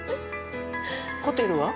ホテルは？